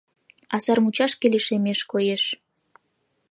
А сар мучашке лишемеш, коеш.